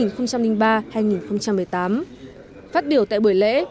phát biểu tại buổi lễ